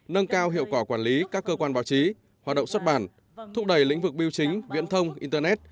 nâng cao hiệu quả quản lý các cơ quan báo chí hoạt động xuất bản thúc đẩy lĩnh vực biểu chính viễn thông internet